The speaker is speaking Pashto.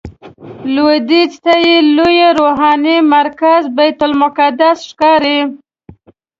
لویدیځ ته یې لوی روحاني مرکز بیت المقدس ښکاري.